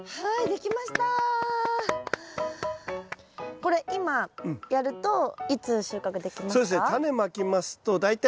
これ今やるといつ収穫できますか？